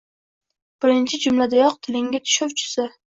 birinchi jumladayoq tilingga tushov tushsa